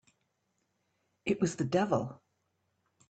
It was the devil!